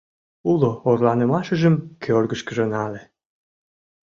Уло орланымашыжым кӧргышкыжӧ нале.